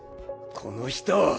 この人を。